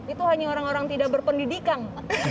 itu hanya orang orang tidak berpendidikan